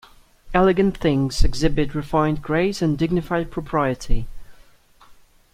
Elegant things exhibit refined grace and dignified propriety.